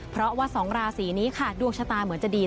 เพราะว่า๒ราศีนี้ค่ะดวงชะตาเหมือนจะดี